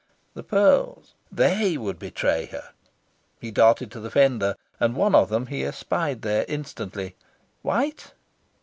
The pearls! THEY would betray her. He darted to the fender, and one of them he espied there instantly white?